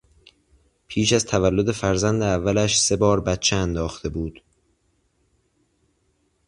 پیش از تولد فرزند اولش سه بار بچه انداخته بود.